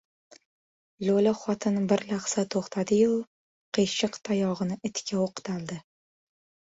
Lo‘li xotin bir lahza to‘xtadi- yu, qiyshiq tayog‘ini itga o‘qtaldi.